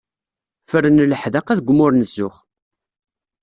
Fren leḥdaqa deg umur n zzux.